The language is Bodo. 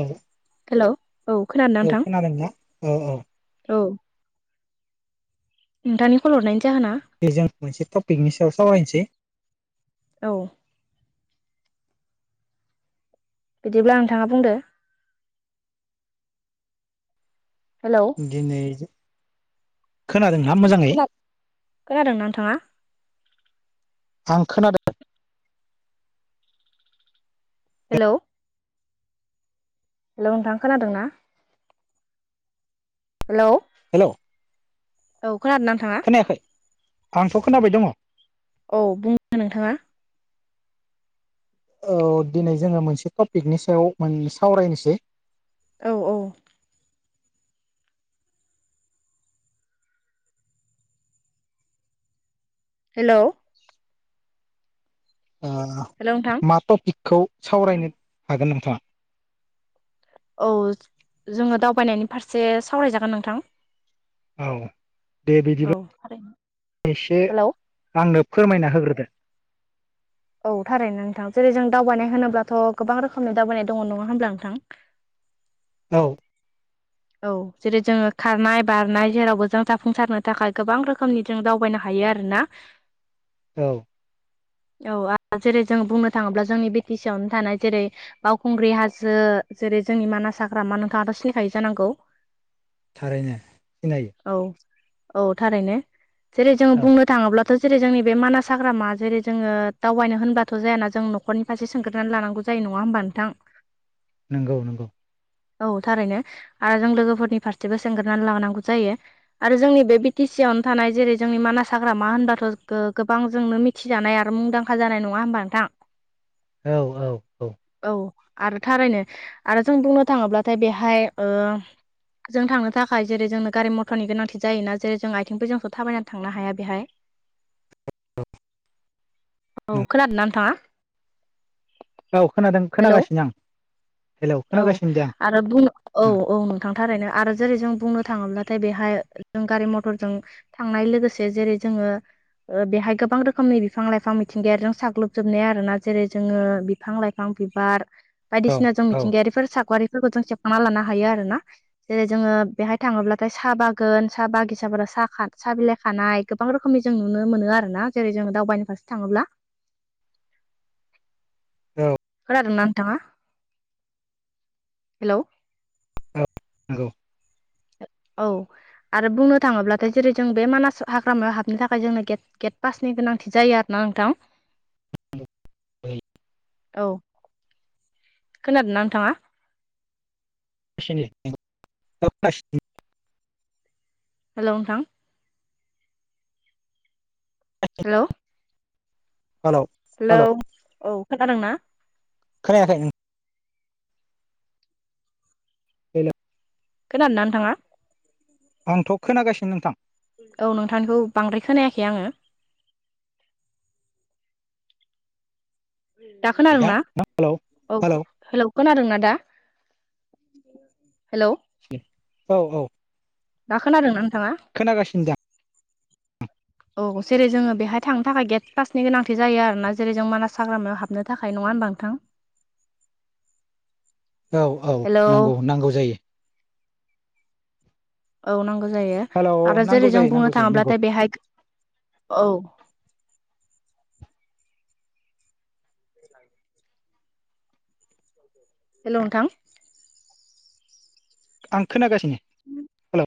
औ हेलौ औ खोनादोंना औ नोंथां खोनादोंना? औ औ। औ। नोंथांनि कल हरनायनि जाहोना? बे जों मोनसे टपिकनि सायाव सावरायनोसै। औ। बिदिब्ला नोंथाङा बुंदो। हेलौ। दिनै, खोनादों ना मोजाङै? खोना खोनादोंना नोंथाङा आं खोनादों। हेलौ। हेलौ, नोंथां खोनादों ना? हेलौ। हेलौ। औ खोनादोंना नोंथाङा? खोनायाखै? आंथ' खोनाबाय दङ। औ बुं नोंथाङा ओ दिनै जोङो मोनसे टपिकनि सायाव सावरायनोसै। औ औ। हेलौ। ओ हेलौ नोंथां। मा टपिकखौ सावरायनो हागोन नोंथाङा? औ जोङो दावबायनायनि फारसे सावरायजागोन नोंथां। औ दे औ थारैनो बिदिब्ला एसे हेलौ आंनो फोरमायना होग्रोदो। औ थारैनो नोंथां जेरै जों दावबायनाय होनोब्लाथ' गोबां रोखोमनि दावबायनाय दङ नङा होमब्ला नोंथां? औ। औ जेरै जोङो खारनाय बारनाय जेरावबो जों जाफुंसारनो थाखाय गोबां रोखोमनि जों दावबायनो हायो आरोना औ औ जेरै जोंङो बुंनो थाङोब्ला जोंनि बि टि सि आवनो थानाय जेरै बावखुंग्रि हाजो जेरै जोंनि मानास हाग्रामा नोंथाङाथ' सिनायखायो जानांगौ? थारैनो सिनायो औ औ थारैनो जेरै जोङो औ बुंनो थाङोब्ला जेरै जोंनि बे मानास हाग्रामा जेरै जोङो दावबायनो होनबाथ' जायाना जों नखरनि सासे सोंग्रोनानै लानांगौ जायो नङा होमबा नोंथां नंगौ नंगौ औ थारैनो आरो जों लोगोफोरनि फारसेबो सोंग्रोनानै लानांगौ जायो। आरो जोंनि बे बि टि सि आवनो थानाय जेरै जोंनि मानास हाग्रामा होनबाथ' गोबां जोंनो मि थिजानाय आरो मुंदांखा जानाय नङा होनबा नोंथां औ औ औ आरो थारैनो आरो जों बुंनो थाङोब्लाथाय बेहाय ओ जों थांनो थाखाय जेरै जोंनो गारि मथरनि गोनांथि जायोना जेरै जों आइथिंबो जोंथ' थाबायनानै थांनो हाया बेहाय [inaudible] औ नंगौ। खोनादों ना नोथाङा औ खोनादों खोनागासिनो आं हेलौ औ खोनागासिनो दे आं आरो बुं औ औ नोंथां थारैनो आरो जेरै जों बुंनो थाङोब्लाथाय बेहाय जों गारि मथरजों थांनाय लोगोसे जेरै जोङो ओ बेहाय गोबां रोखोमनि बिफां-लाइफां मिथिंगायारिजो साग्लोबजोबनाय आरो ना जेरै जोङो बिफां-लाइ फां बिबार औ बायदिसिना जों औ मिथिंगायारिफोर सावगारिफोरखौ जों सेबखांना लानो हायो आरोना जेरै जोङो बेहाय थाङोब्लाथाय साह बागान साहा बागिसाफोराव साहा साहा बिलाइ खानाय गोबां रोखोमनि जों नुनो मोनो आरोना जेरै जोङो दावबायनो फारसे थाङोब्ला औ खोनादोंना नोंथाङा हेलौ औ नंगौ औ आरो बुंनो थाङोब्लाथाय जेरै जों बे मानास हाग्रामायाव हाबनो थाखाय जोंनो गेट गेट पासनि गोनांथि जायो आरोना नोंथां। [inaudible] औ खोनादों ना नोंथाङा नि [unintelligible] हेल' नोंथां हेल' हेल' हेलौ औ खोनादोंना खोनायाखै हेल' खोनादोंना नोथांङा आंथ' खोनागासिनो नोंथां औ नोंथांनिखौ बांद्राय खोनायाखै आङो दा खोनादोंना औ हेलौ खोनादोंना दा हेलौ औ औ दा खोनादों ना नोंथाङा खोनागासिनो दा औ जेरै जोङो बेहाय थांनो थाखाय गेट पासनि गोनांथि जायो आरोना जेरै जों मानास हाग्रामायाव हाबनो थाखाय नङा होनबा नोंथां औ औ हेलौ नांगौ नांगौ जायो औ नांगौ जायो हेलौ आरो नांगौ जेरै जों जायो नांगौ बुंनो जायो नंगौ थाङोब्लाथाय बेहाय औ हेलौनथां आं खोनागासिनो हेलौ